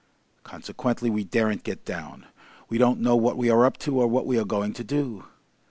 Consequently, we daren't get down. We don't know what we are up to or what we are going to do.